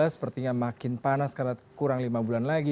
sepertinya makin panas karena kurang lima bulan lagi